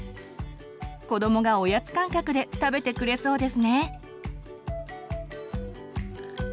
子どもがおやつ感覚で食べてくれそうですね！